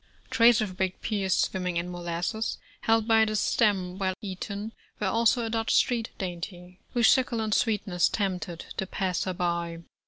Trays of baked pears swimming in molasses, held by the stem while eaten, were also a Dutch street dainty, whose succulent sweetness tempted the passer by.